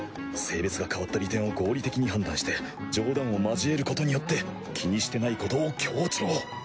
性別が変わった利点を合理的に判断して冗談を交えることによって気にしてないことを強調